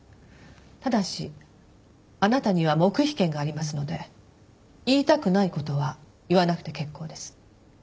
ただしあなたには黙秘権がありますので言いたくない事は言わなくて結構です。